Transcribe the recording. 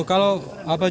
kalau apa juga